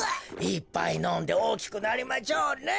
いっぱいのんでおおきくなりまちょうね。